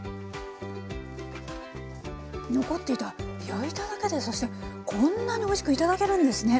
焼いただけでそしてこんなにおいしく頂けるんですね。